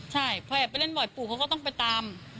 ใช่พอแอบไปเล่นบ่อยปู่เขาก็ต้องไปตาม